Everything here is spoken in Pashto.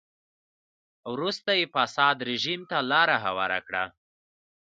وروسته یې فاسد رژیم ته لار هواره کړه.